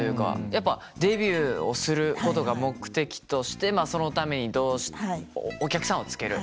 やっぱデビューをすることが目的としてまあそのためにお客さんをつける。